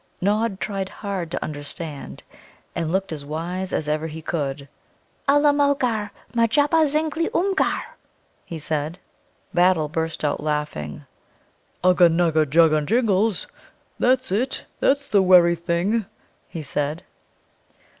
Nod tried hard to understand, and looked as wise as ever he could. "Ulla Mulgar majubba; zinglee Oomgar," he said. Battle burst out laughing. "Ugga, nugga, jugga, jingles! That's it that's the werry thing," he said.